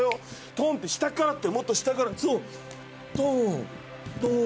トンって下からもっと下からそうトン！トン！